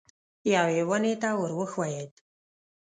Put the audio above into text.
یوې ونې ته ور وښوېد.